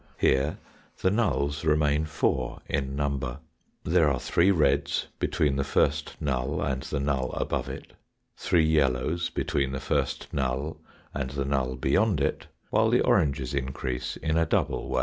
Here the nulls remain four in number. There are three reds between the first null and the null fvboye it, three yellows between the first null apd the 138 THE FOURTH DIMENSION null beyond it, while the oranges increase in a doublo way.